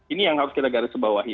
ini yang harus kita garisbawahi